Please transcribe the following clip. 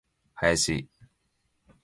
林